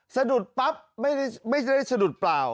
สะดุดปั๊บไม่ได้สะดุดเปล่า